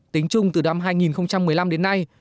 tính chung từ năm hai nghìn một mươi năm đến nay